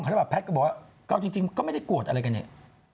เพราะแพทย์ก็บอกว่าจริงก็ไม่ได้โกรธอะไรกันเนี่ย